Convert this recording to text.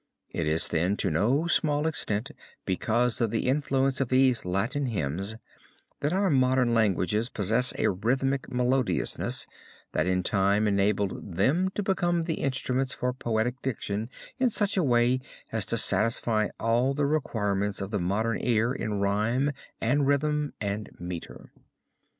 It is, then, to no small extent because of the influence of these Latin hymns that our modern languages possess a rhythmic melodiousness that in time enabled them to become the instruments for poetic diction in such a way as to satisfy all the requirements of the modern ear in rhyme, and rhythm, and meter.